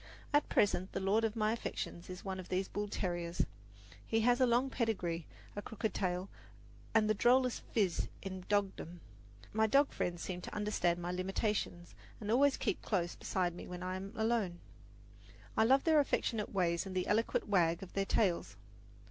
At present the lord of my affections is one of these bull terriers. He has a long pedigree, a crooked tail and the drollest "phiz" in dogdom. My dog friends seem to understand my limitations, and always keep close beside me when I am alone. I love their affectionate ways and the eloquent wag of their tails.